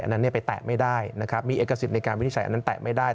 อันนั้นไปแตะไม่ได้นะครับมีเอกสิทธิ์ในการวินิจฉัยอันนั้นแตะไม่ได้